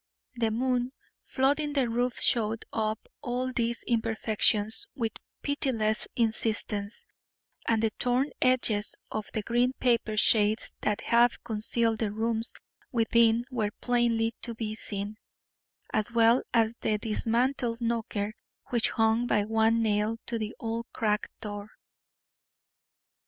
The moon flooding the roof showed up all these imperfections with pitiless insistence, and the torn edges of the green paper shades that half concealed the rooms within were plainly to be seen, as well as the dismantled knocker which hung by one nail to the old cracked door.